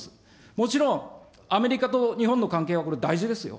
もちろん、アメリカと日本の関係はこれ大事ですよ。